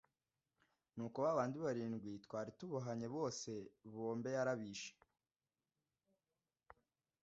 n’uko ba bandi barindwi twari tubohanye bose bombe yarabishe